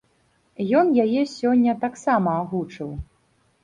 Ён яе сёння таксама агучыў.